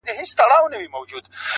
د مینو اسوېلیو ته دي پام دی,